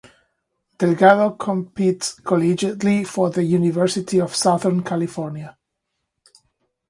Delgado competes collegiately for the University of Southern California.